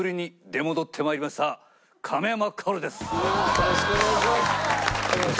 よろしくお願いします！